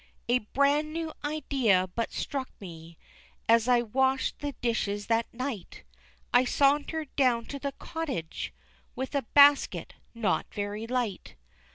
A bran new idea, but struck me As I washed the dishes that night, I sauntered down to the cottage With a basket, not very light.